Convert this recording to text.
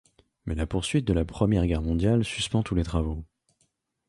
Mais la poursuite de la Première Guerre mondiale suspend tous les travaux.